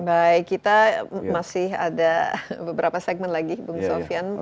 baik kita masih ada beberapa segmen lagi bung sofian